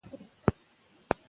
کار ځان بسیا توب راولي.